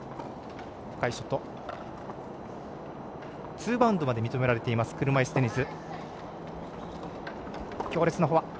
ツーバウンドまで認められている車いすテニス。